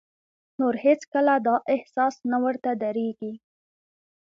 نور هېڅ کله دا احساس نه ورته درېږي.